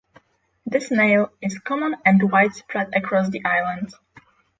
The snail is common and widespread across the island.